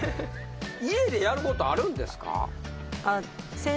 家でやることあるんですか？